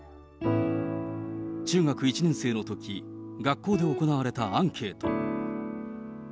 中学１年生のとき、学校で行われたアンケート。